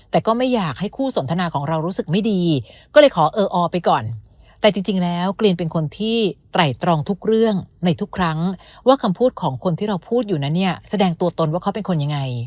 แต่ก็ไม่อยากให้คู่สนทนาของเรารู้สึกไม่ดีก็เลยขอเออออไปก่อน